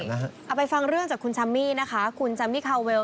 เอาไปฟังเรื่องจากคุณแซมมี่นะคะคุณแซมมี่คาเวล